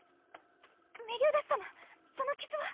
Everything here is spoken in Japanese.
メリオダス様その傷は？